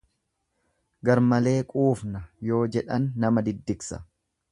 Garmalee quufna yoo jedhan nama diddigsa.